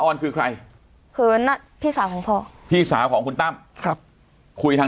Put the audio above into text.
อนคือใครคือพี่สาวของพ่อพี่สาวของคุณตั้มครับคุยทาง